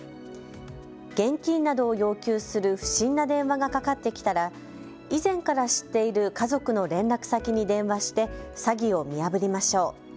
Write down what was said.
現金などを要求する不審な電話がかかってきたら以前から知っている家族の連絡先に電話して詐欺を見破りましょう。